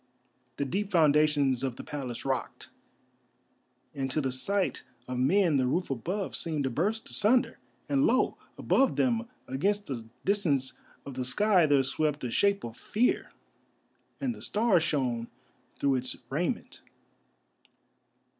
The deep foundations of the Palace rocked, and to the sight of men the roof above seemed to burst asunder, and lo! above them, against the distance of the sky, there swept a shape of Fear, and the stars shone through its raiment.